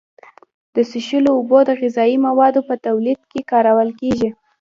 د څښلو اوبو او غذایي موادو په تولید کې کارول کیږي.